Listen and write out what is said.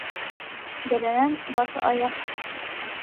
Бәләнән баш аяҡ.